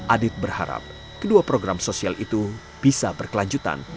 adit berharap kedua program sosial itu bisa berkelanjutan